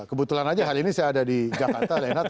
kebetulan aja hal ini saya ada di jakarta lenat